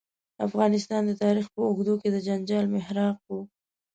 افغانستان د تاریخ په اوږدو کې د جنجال محراق و.